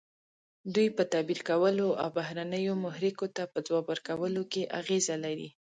دوی په تعبیر کولو او بهرنیو محرکو ته په ځواب ورکولو کې اغیزه لري.